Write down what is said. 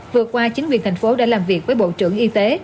vừa qua chính quyền thành phố đã làm việc với bộ trưởng y tế